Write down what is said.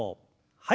はい。